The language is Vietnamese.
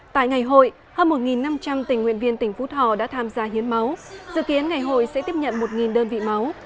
tại ngày hội hơn một năm trăm linh tình nguyện viên tỉnh phú thọ đã tham gia hiến máu dự kiến ngày hội sẽ tiếp nhận một đơn vị máu